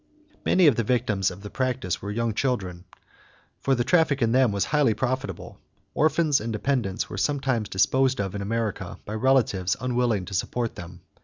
Many of the victims of the practice were young children, for the traffic in them was highly profitable. Orphans and dependents were sometimes disposed of in America by relatives unwilling to support them.